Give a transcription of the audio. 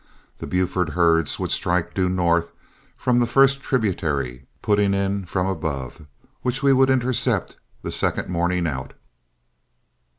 The Buford herds would strike due north from the first tributary putting in from above, which we would intercept the second morning out.